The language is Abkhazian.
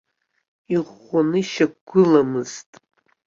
Иӷәӷәаны ишьақәгыламызт.